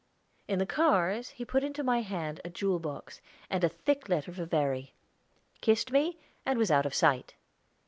In the cars he put into my hand a jewel box, and a thick letter for Verry, kissed me, and was out of sight.